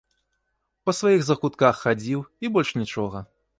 Па сваіх закутках хадзіў, і больш нічога.